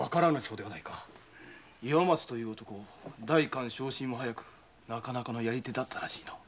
岩松という男代官昇進も早くなかなかの遣り手だったらしい。